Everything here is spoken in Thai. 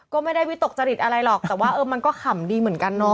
ก็ไม่ได้วิตกจริตอะไรหรอกแต่ว่าเออมันก็ขำดีเหมือนกันเนาะ